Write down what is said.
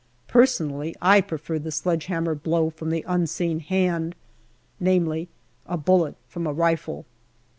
Personally, I prefer the sledge hammer blow from the unseen hand namely, a bullet from a rifle.